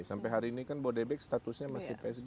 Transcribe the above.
sampai hari ini kan bodebek statusnya masih psbb